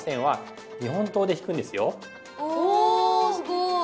おすごい！